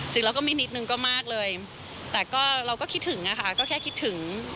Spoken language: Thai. จริงเราก็มีนิดนึงก็มากเลยแต่เราก็คิดถึงแค่คิดถึง